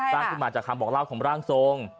ตั้งกุมารจากคำบอกเล่าของร่างทรง